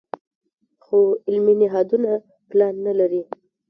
خو علمي نهادونه پلان نه لري.